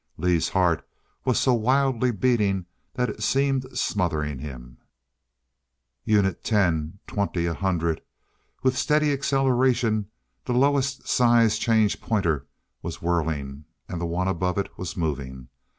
Lee's heart was so wildly beating that it seemed smothering him. Unit Ten ... Twenty ... a Hundred.... With steady acceleration, the lowest size change pointer was whirling, and the one above it was moving.